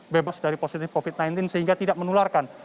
bebas dari positif covid sembilan belas sehingga tidak menularkan